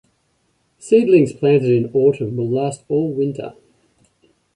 Seedlings planted in autumn will last all winter.